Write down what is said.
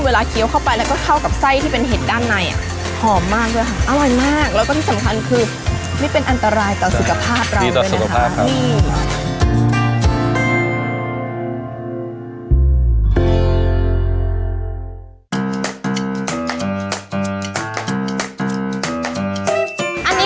เพราะว่าเห็นว่าอันนี้เป็นกะหรี่พับที่เป็นใส่เห็ดอกไม่ทอด